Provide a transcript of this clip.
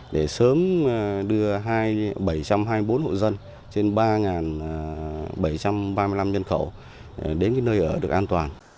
để sớm đưa bảy trăm hai mươi bốn hộ dân trên ba bảy trăm ba mươi năm nhân khẩu đến nơi ở được an toàn